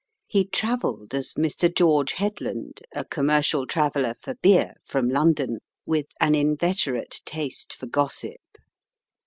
He travelled as Mr. George Headland, a commercial traveller for beer, from London, with an inveterate taste for gossip.